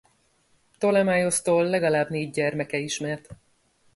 Ptolemaiosztól legalább négy gyermeke ismert.